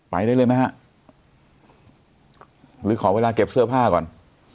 ไปได้เลยไหมฮะหรือขอเวลาเก็บเสื้อผ้าก่อน